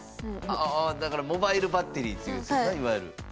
あだからモバイルバッテリーというやつねいわゆる。